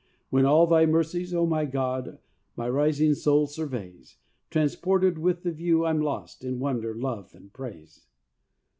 When all Thy mercies, O my God, My rising soul surveys. Transported with the view I'm lost In wonder, love, and praise.